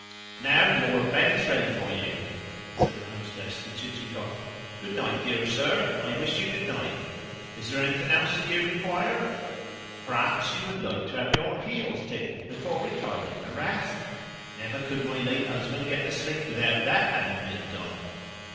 "Now your bed is ready for you," said the hostess to Chichikov. "Good night, dear sir. I wish you good night. Is there anything else that you require? Perhaps you would like to have your heels tickled before retiring to rest? Never could my late husband get to sleep without that having been done."